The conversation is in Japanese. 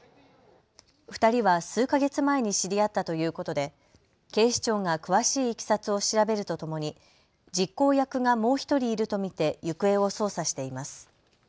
２人は数か月前に知り合ったということで警視庁が詳しいいきさつを調べるとともに実行役がもう１人いると見て行方を捜査しています。